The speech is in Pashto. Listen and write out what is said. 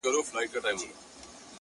یه د زمان د ورکو سمڅو زنداني ه _